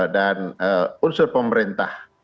dan unsur pemerintah